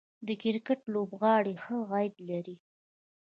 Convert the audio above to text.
د کرکټ لوبغاړي ښه عاید لري